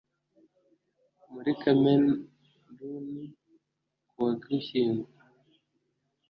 muri kameruni ku wa ugushyingo